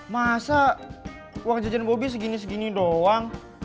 masa uang jajan bobi segini segini doang